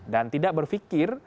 dan tidak berpikir